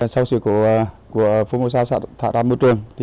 sau sự cố của phú mô sa xã thả đam môi trường